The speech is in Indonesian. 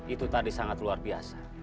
itu tadi sangat luar biasa